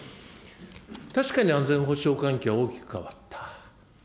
確かに安全保障環境は大きく変わった。